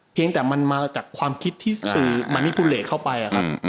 เพียงแต่มันมาจากความคิดที่สื่อมันี่ทุนเรทเข้าไป